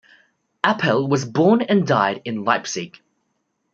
Apel was born and died in Leipzig.